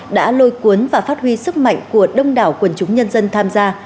đã lôi cuốn và phát huy sức mạnh của đông đảo quần chúng nhân dân tham gia